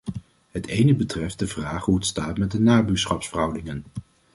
Het ene betreft de vraag hoe het staat met de nabuurschapsverhoudingen.